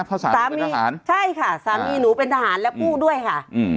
สามีทหารใช่ค่ะสามีหนูเป็นทหารและผู้ด้วยค่ะอืม